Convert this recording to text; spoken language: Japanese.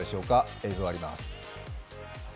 映像があります。